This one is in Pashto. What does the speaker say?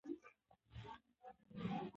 په افغانستان کې د زردالو تاریخ خورا ډېر اوږد دی.